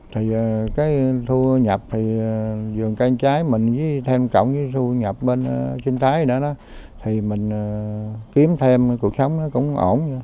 thì cái thu nhập thì dường cây trái mình thêm cộng với thu nhập bên sinh thái nữa đó thì mình kiếm thêm cuộc sống cũng ổn